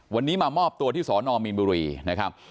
วันนี้มามอบตัวที่สอนอมีนบุรีนะครับ